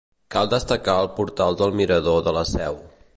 Cal destacar el portal del Mirador de la Seu.